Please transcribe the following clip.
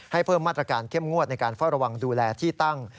เพิ่มมาตรการเข้มงวดในการเฝ้าระวังดูแลที่ตั้ง